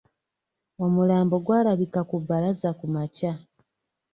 Omulambo gwalabika ku Bbalaza ku makya.